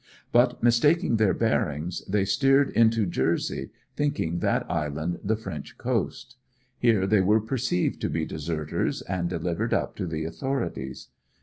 But mistaking their bearings they steered into Jersey, thinking that island the French coast. Here they were perceived to be deserters, and delivered up to the authorities.